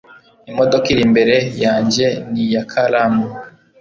Imodoka iri imbere yanjye ni iya Karam